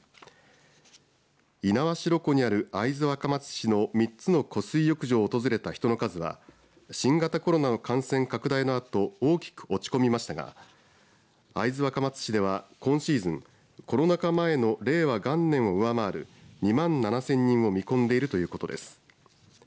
猪苗代湖にある会津若松市の３つの湖水浴場を訪れた人の数は新型コロナの感染拡大のあと大きく落ち込みましたが会津若松市では今シーズンコロナ禍前の令和元年を上回る２万７０００人を見込んでいるということです。